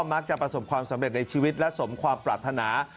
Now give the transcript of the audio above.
มักจะประสบความสำเร็จในชีวิตและสมความปรารถนา